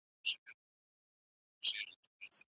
ملي شورا وارداتي تعرفه نه زیاتوي.